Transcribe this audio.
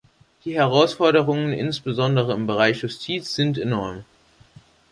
Die Herausforderungen, insbesondere im Bereich Justiz, sind enorm.